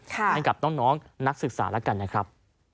ให้กับน้องนักศึกษาแล้วกันนะครับ